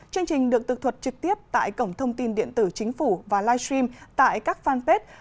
chương trình được thực thuật trực tiếp tại cổng thông tin điện tử chính phủ và livestream tại các fanpage